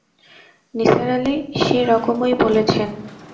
নিসার আলি সে রকমই বলেছেন।